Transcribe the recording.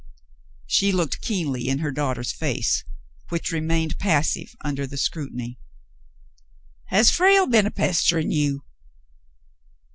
She looked keenly in her daughter's face, which remained passive under the scrutiny. Has Frale been a pesterin' you